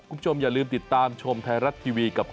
คุณผู้ชมอย่าลืมติดตามชมไทยรัฐทีวีกับเขา